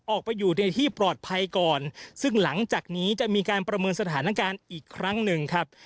ออกไปอยู่ในที่ปลอดภัยก่อนซึ่งหลังจากนี้จะมีการประเมินสถานการณ์อีกครั้งหนึ่งครับ